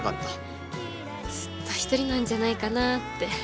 ずっとひとりなんじゃないかなって。